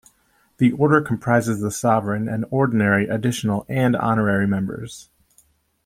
The order comprises the Sovereign and ordinary, additional and honorary members.